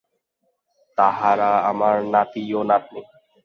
তাহারা আমার নাতি ও নাতনী।